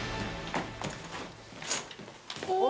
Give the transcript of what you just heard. お！